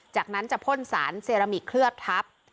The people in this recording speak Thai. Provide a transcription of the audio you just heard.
จากนั้นจะพ่นสารเซรามิกเคลือบทับ